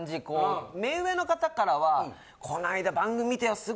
こう目上の方からは「こないだ番組みたよ。